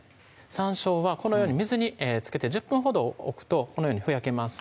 さんしょうはこのように水につけて１０分ほど置くとこのようにふやけます